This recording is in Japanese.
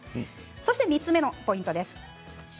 ３つ目のポイントです。